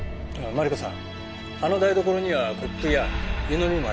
マリコさんあの台所にはコップや湯飲みもありました。